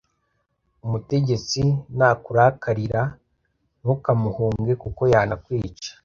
Umutegetsi nakurakarira ntukamuhunge kuko yanakwica